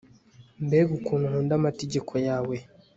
mbega ukuntu nkunda amategeko yawe